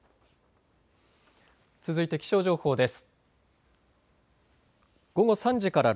続いて気象情報です。